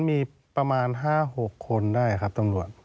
มีประมาณ๕๖คนได้ครับตำรวจ